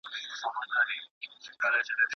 ¬ پر مُلا ئې لمبول دي، بخښنه ئې پر خداى ده.